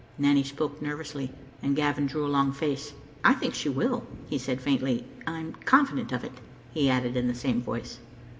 Nanny spoke nervously, and Gavin drew a long face. " I think she will," he said faintly. " I am confident of it," he added in the same voice.